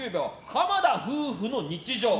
浜田夫婦の日常。